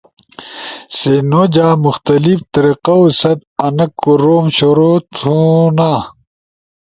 سی نو جا مختلف طریقاو ست آنا کوروم شروع تھونو۔